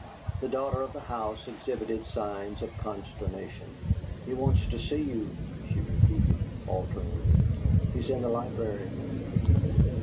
The daughter of the house exhibited signs of consternation. "He wants to see you," she repeated, falteringly. "He's in the library."